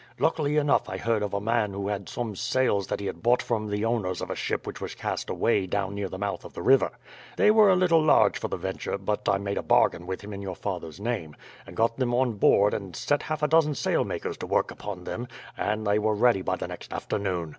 Luckily enough I heard of a man who had some sails that he had bought from the owners of a ship which was cast away down near the mouth of the river. They were a little large for the Venture; but I made a bargain with him in your father's name, and got them on board and set half a dozen sailmakers to work upon them, and they were ready by the next afternoon.